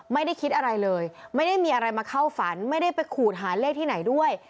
ไม่ได้คิดอะไรเลยไม่ได้มีอะไรมาเข้าฝันไม่ได้ไปขูดหาเลขที่ไหนด้วย